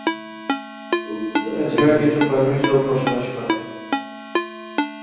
এছাড়া কিছু বার্মিজ লোক বসবাস করে।